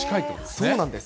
そうなんです。